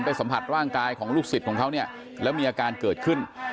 สัมผัสร่างกายของลูกศิษย์ของเขาเนี่ยแล้วมีอาการเกิดขึ้น